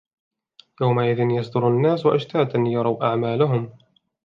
يَوْمَئِذٍ يَصْدُرُ النَّاسُ أَشْتَاتًا لِيُرَوْا أَعْمَالَهُمْ